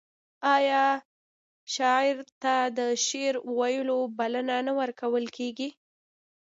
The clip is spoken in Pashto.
آیا شاعر ته د شعر ویلو بلنه نه ورکول کیږي؟